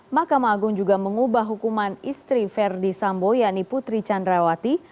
mahkamah agung juga mengubah hukuman istri verdi sambo yakni putri candrawati